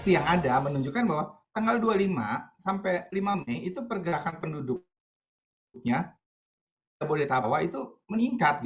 yang ada menunjukkan bahwa tanggal dua puluh lima sampai lima mei itu pergerakan penduduk jabodetabek itu meningkat